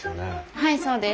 はいそうです。